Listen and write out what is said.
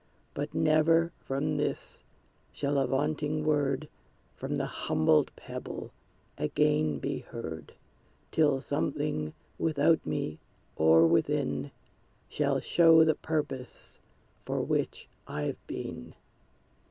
But never, from this, shall a vaunting word From the humbled Pebble again be heard, Till something without me or within Shall show the purpose for which I've been!"